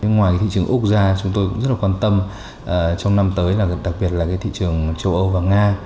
ngoài cái thị trường úc ra chúng tôi cũng rất là quan tâm trong năm tới là đặc biệt là cái thị trường châu âu và nga